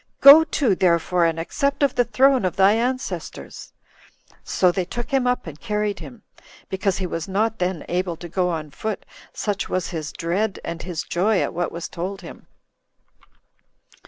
Go to, therefore, and accept of the throne of thy ancestors." So they took him up and carried him, because he was not then able to go on foot, such was his dread and his joy at what was told him.